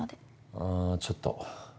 あぁちょっと。